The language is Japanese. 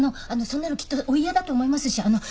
そんなのきっとお嫌だと思いますしあのう。